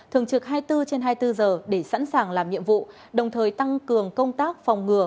thường trực hai mươi bốn trên hai mươi bốn giờ để sẵn sàng làm nhiệm vụ đồng thời tăng cường công tác phòng ngừa